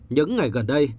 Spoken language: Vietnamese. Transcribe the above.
những ngày gần đây